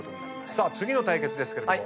さあ次の対決ですけれども。